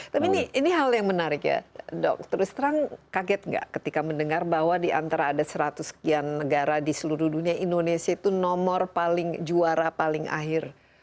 tapi ini hal yang menarik ya dok terus terang kaget nggak ketika mendengar bahwa di antara ada seratus sekian negara di seluruh dunia indonesia itu nomor paling juara paling akhir